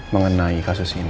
mengenai kasus ini